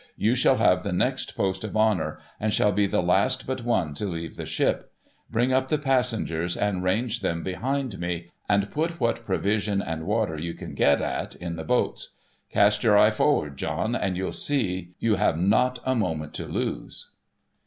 You shall have the next post of honour, and shall be the last but one to leave the ship. Bring up the passengers, and range them behind me ; and put what provision and water you can get at, in the boats. Cast your eye for'ard, John, and you'll see you have not a moment to lose.'